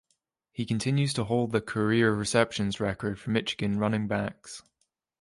He continues to hold the career receptions record for Michigan running backs.